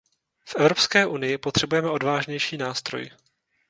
V Evropské unii potřebujeme odvážnější nástroj.